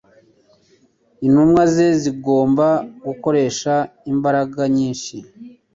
Intumwa ze zigomba gukoresha imbaraga nyinshi